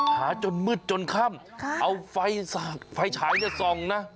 จนมืดจนค่ำเอาไฟฉายส่องนะ